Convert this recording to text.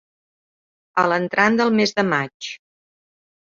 A l'entrant del mes de maig.